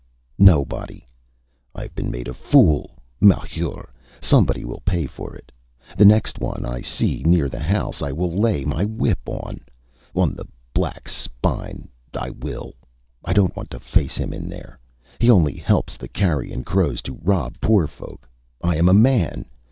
Nobody. IÂve been made a fool! Malheur! Somebody will pay for it. The next one I see near the house I will lay my whip on ... on the black spine ... I will. I donÂt want him in there ... he only helps the carrion crows to rob poor folk. I am a man.